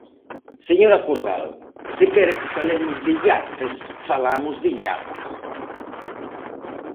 Señora Cordal, se quere que falemos de iates, falamos de iates.